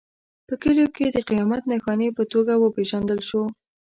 په کلیو کې د قیامت نښانې په توګه وپېژندل شو.